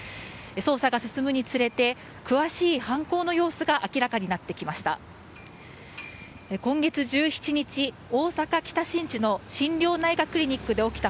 捜査が進むにつれて詳しい犯行の様子が明らかになってきました。